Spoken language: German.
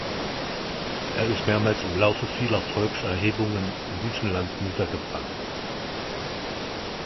Er ist mehrmals im Laufe vieler Volkserhebungen in diesem Land niedergebrannt.